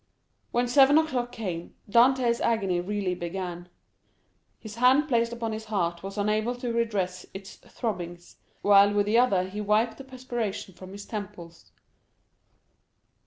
When seven o'clock came, Dantès' agony really began. His hand placed upon his heart was unable to redress its throbbings, while, with the other he wiped the perspiration from his temples.